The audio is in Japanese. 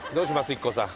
ＩＫＫＯさん。